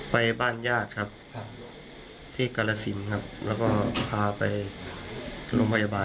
ไปบ้านญาติครับที่กรสินครับแล้วก็พาไปโรงพยาบาล